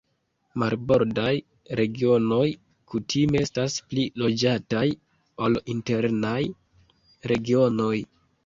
Marbordaj regionoj kutime estas pli loĝataj ol internaj regionoj.